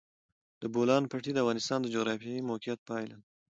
د بولان پټي د افغانستان د جغرافیایي موقیعت پایله ده.